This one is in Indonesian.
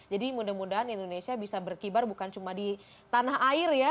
jadi mudah mudahan indonesia bisa berkibar bukan cuma di tanah air ya